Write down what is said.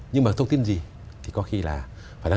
nhưng mà thông tin gì thì có khi là